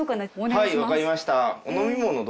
はいわかりました。